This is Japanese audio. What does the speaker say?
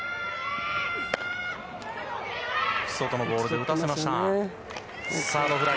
外のボールで打たせました。